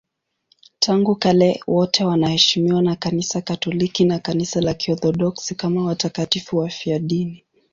Tangu kale wote wanaheshimiwa na Kanisa Katoliki na Kanisa la Kiorthodoksi kama watakatifu wafiadini.